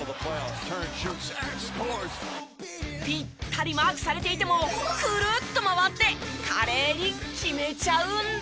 ぴったりマークされていてもクルッと回って華麗に決めちゃうんです。